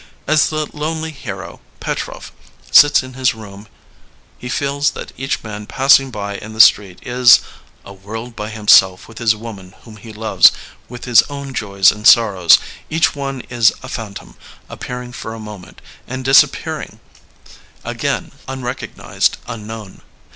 As the lonely hero, Petrov, sits in his room he feels that each man passing by in the street is a world by himself with his woman whom he loves, with his own joys and sorrows. Each one is a phan tom, appearing for a moment, and disappearing again, unrecognized, unknown.